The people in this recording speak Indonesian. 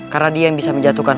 karena dia yang bisa menjatuhkan